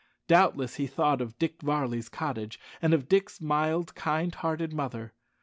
Doubtless he thought of Dick Varley's cottage, and of Dick's mild, kind hearted mother.